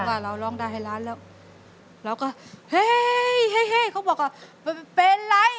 แล้วเราร้องได้ให้ร้านแล้วเราก็เฮ้ยเฮ้ยเฮ้ยเขาบอกว่าเป็นไร